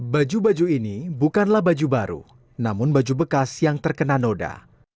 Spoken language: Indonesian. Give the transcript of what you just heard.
baju baju ini bukanlah baju baru namun baju bekas yang terkena noda